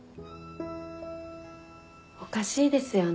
おかしいですよね